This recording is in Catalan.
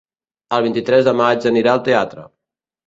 El vint-i-tres de maig anirà al teatre.